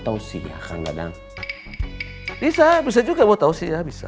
tausi ya kang dadang bisa bisa juga buat tausi ya bisa